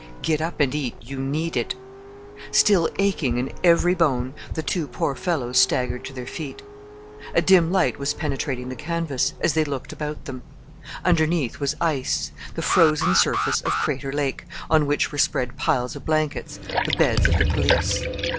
"Get up and eat, you need it." Still aching in every bone the two poor fellows staggered to their feet. A dim light was penetrating the canvas, as they looked about them. Underneath was ice the frozen surface of Crater Lake on which were spread piles of blankets, the beds of the police.